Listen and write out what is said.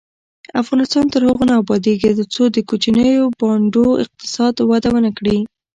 افغانستان تر هغو نه ابادیږي، ترڅو د کوچنیو بانډو اقتصاد وده ونه کړي.